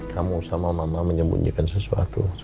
kamu sama mama menyembunyikan sesuatu